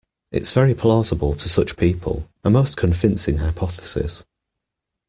It is very plausible to such people, a most convincing hypothesis.